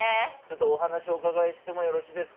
お話お伺いしてもよろしいですか？